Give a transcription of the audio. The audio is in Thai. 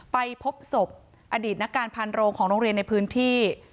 ไปพบศพอดีตนักการพันโรงของโรงเรียนในพื้นที่